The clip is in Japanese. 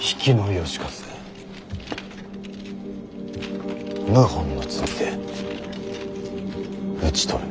能員謀反の罪で討ち取る。